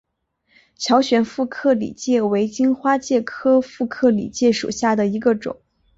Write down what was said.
乔玄副克里介为荆花介科副克里介属下的一个种。